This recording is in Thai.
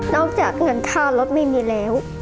นอกจากเงินข้าวรถไม่มีแล้ว